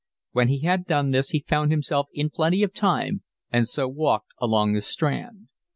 When he had done this he found himself in plenty of time and so walked along the Strand.